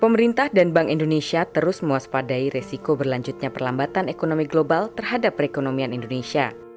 pemerintah dan bank indonesia terus mewaspadai resiko berlanjutnya perlambatan ekonomi global terhadap perekonomian indonesia